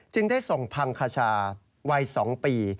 ได้ส่งพังคชาวัย๒ปี